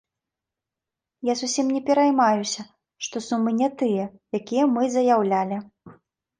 Я зусім не пераймаюся, што сумы не тыя, якія мы заяўлялі.